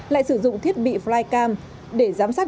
lại sử dụng thiết bị flycam để giám sát